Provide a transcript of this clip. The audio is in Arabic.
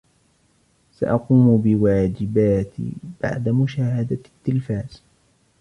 سأقوم بواجباتي بعد مشاهدة التلفاز.